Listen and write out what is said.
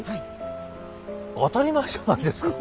当たり前じゃないですか。